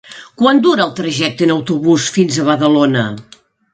Quant dura el trajecte en autobús fins a Badalona?